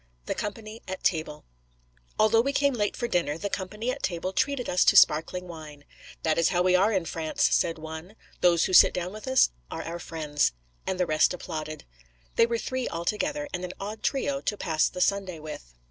THE COMPANY AT TABLE ALTHOUGH we came late for dinner, the company at table treated us to sparkling wine. 'That is how we are in France,' said one. 'Those who sit down with us are our friends.' And the rest applauded. They were three altogether, and an odd trio to pass the Sunday with.